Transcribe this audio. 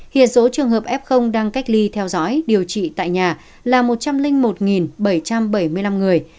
hiện số trường hợp f đang cách ly theo dõi điều trị tại nhà là một trăm linh một bảy trăm bảy mươi năm người